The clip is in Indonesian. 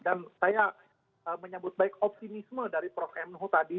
dan saya menyebut baik optimisme dari prof nu tadi